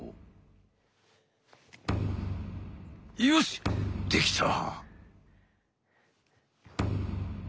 よしできた！